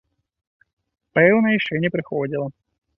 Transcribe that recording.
Пэўна, яшчэ не прыходзіла.